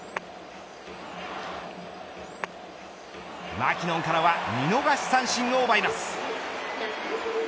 マキノンからは見逃し三振を奪います。